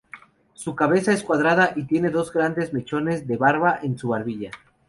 Su cabeza es cuadrada y tiene dos grandes mechones de barba en su barbilla.